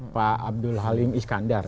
pak abdul halim iskandar